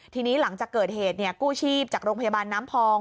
ทีนี้หลังจากเกิดเหตุกู้ชีพจากโรงพยาบาลน้ำพอง